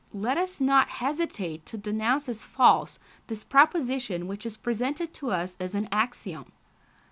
Let us not hesitate to denounce as false this proposition which is presented to us as an axiom.